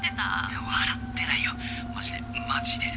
いや笑ってないよマジでマジで。